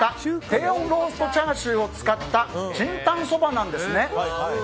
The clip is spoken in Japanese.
低温ローストチャーシューを使った清湯そばなんですね。